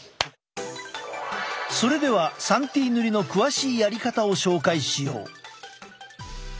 それでは３Ｔ塗りの詳しいやり方を紹介しよう。